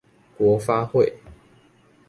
國發會